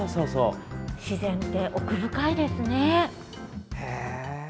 自然って奥深いですね。